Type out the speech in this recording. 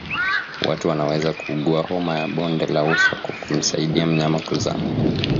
Watu wanaweza kuugua homa ya bonde la ufa kwa kumsaidia mnyama kuzaa